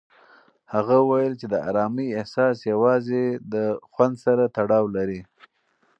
هغه وویل چې د ارامۍ احساس یوازې د خوند سره تړاو لري.